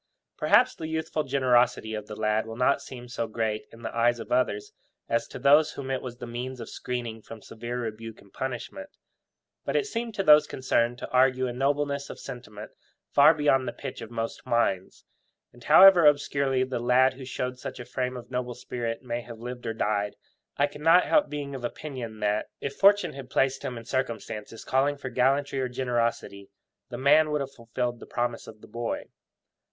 Perhaps the youthful generosity of the lad will not seem so great in the eyes of others as to those whom it was the means of screening from severe rebuke and punishment. But it seemed to those concerned to argue a nobleness of sentiment far beyond the pitch of most minds; and however obscurely the lad who showed such a frame of noble spirit may have lived or died, I cannot help being of opinion that, if fortune had placed him in circumstances calling for gallantry or generosity, the man would have fulfilled the promise of the boy.